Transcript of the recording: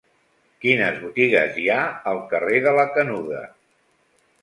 Quines botigues hi ha al carrer de la Canuda?